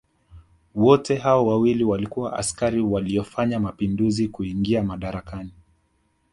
Wote hao wawili walikuwa askari waliofanya mapinduzi kuingia madarakani